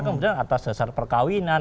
kemudian atas dasar perkawinan